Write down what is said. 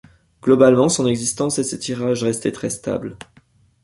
Globalement, son existence et ses tirages restaient très stables.